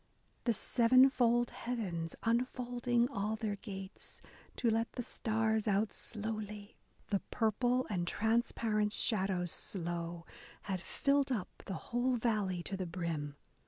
The sevenfold heavens unfolding all their gates To let the stars out slowly ... The purple and transparent shadows slow Had filled up the whole valley to the brim.